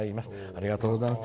ありがとうございます。